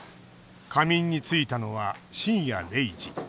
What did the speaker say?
仮眠についたのは深夜０時。